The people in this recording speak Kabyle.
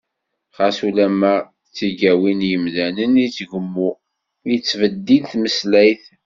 Xas ulamma s tigawin n yimdanen i tgemmu, i tettbeddil tmeslayt.